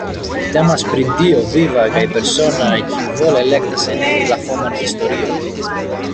Temas pri Dio viva kaj persona kiu vole elektas eniri la homan historion.